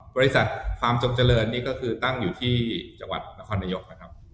ฟาร์มจงเจริญนี่ก็คือตั้งอยู่ที่จังหวัดนครนายกนะครับ